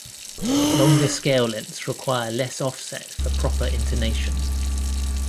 Longer scale lengths require less offset for proper intonation.